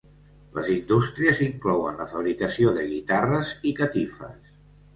Les indústries inclouen la fabricació de guitarres i catifes.